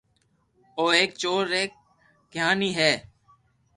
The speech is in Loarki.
او ايڪ چور ري ڪياني ھي